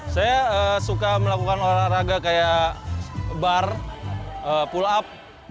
saya suka melakukan olahraga kayak bar pull up